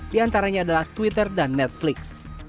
diantaranya adalah twitter dan netflix